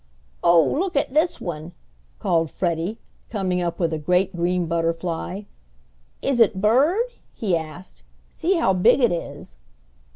"Oh! look at this one!" called Freddie, coming up with a great green butterfly. "Is it bird?" he asked. "See how big it is!"